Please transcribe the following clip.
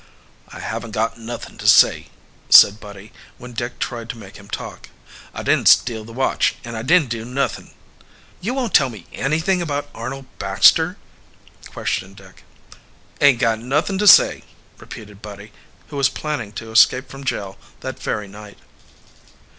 "I haven't got nuthin' to say," said Buddy, when Dick tried to make him talk. "I didn't steal the watch, and I didn't do nothin'." "You won't tell me anything about Arnold Baxter?" questioned Dick. "Ain't got nuthin' to say," repeated Buddy, who was planning to escape from jail that very night.